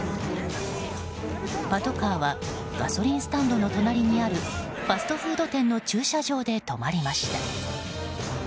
パトカーはガソリンスタンドの隣にあるファストフード店の駐車場で止まりました。